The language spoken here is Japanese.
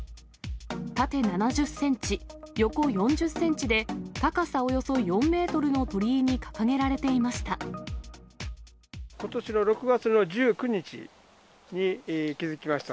縦７０センチ、横４０センチで、高さおよそ４メートルの鳥居に掲ことしの６月の１９日に気付きました。